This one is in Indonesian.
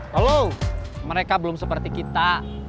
kalau mereka belum seperti kita